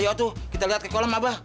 ayo atuh kita liat ke kolam abah